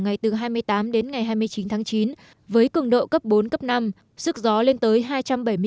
ngày từ hai mươi tám đến ngày hai mươi chín tháng chín với cường độ cấp bốn cấp năm sức gió lên tới hai trăm bảy mươi km một giờ theo kênh cnn